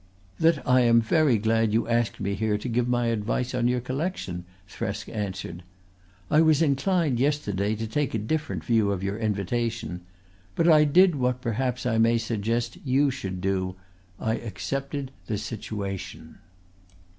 "That I am very glad you asked me here to give my advice on your collection," Thresk answered. "I was inclined yesterday to take a different view of your invitation. But I did what perhaps I may suggest that you should do: I accepted the situation."